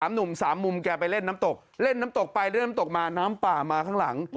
หนุ่มสามมุมแกไปเล่นน้ำตกเล่นน้ำตกไปเล่นน้ำตกมาน้ำป่ามาข้างหลัง